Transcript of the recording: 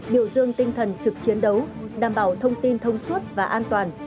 biểu dương tinh thần trực chiến đấu đảm bảo thông tin thông suốt và an toàn